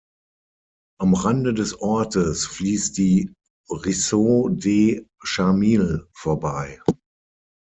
Am Rande des Ortes fliesst die "Ruisseau des Charmilles" vorbei.